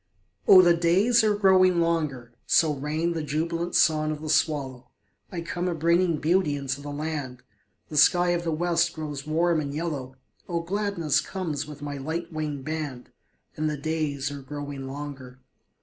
Oh, the days are growing longer; So rang the jubilant song of the swallow; I come a bringing beauty into the land, The sky of the West grows warm and yellow, Oh, gladness comes with my light winged band, And the days are growing longer.